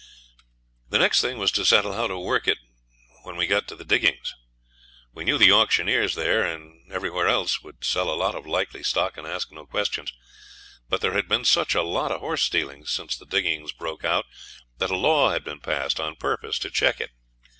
The next thing was to settle how to work it when we got to the diggings. We knew the auctioneers there and everywhere else would sell a lot of likely stock and ask no questions; but there had been such a lot of horse stealing since the diggings broke out that a law had been passed on purpose to check it.